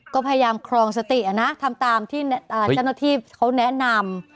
ก็พยายามครองสตินะทำตามที่เจ้าหน้าที่เขาแนะนำ